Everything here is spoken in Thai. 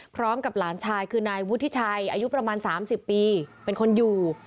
พร้อมกับหลานชายคือนายวุฒิชัยอายุประมาณ๓๐ปีเป็นคนอยู่